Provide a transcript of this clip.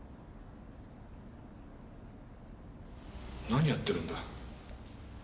何やってるんだ？